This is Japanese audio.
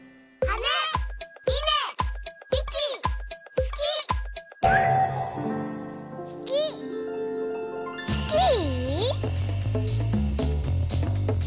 スキー？